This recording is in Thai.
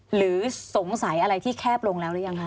หรือสงสัยอะไรที่แคบลงแล้วหรือยังคะ